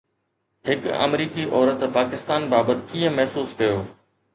هڪ آمريڪي عورت پاڪستان بابت ڪيئن محسوس ڪيو؟